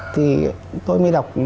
thì tôi mới đọc